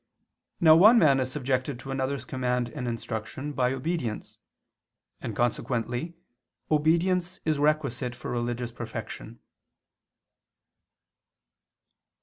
Now one man is subjected to another's command and instruction by obedience: and consequently obedience is requisite for religious perfection.